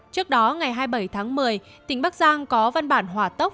trước đó ngày hai mươi bảy tháng một mươi tỉnh bắc giang có văn bản hỏa tốc